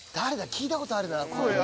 聞いたことあるな声。